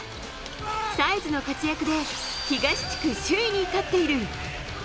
サイズの活躍で東地区首位に立っている。